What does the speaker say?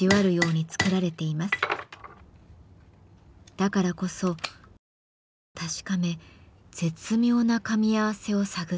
だからこそ何度も確かめ絶妙なかみ合わせを探っていきます。